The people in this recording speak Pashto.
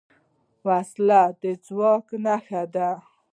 وسله د ځواک نښه ده